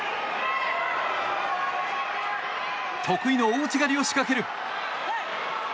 得意の大内刈りを仕掛ける。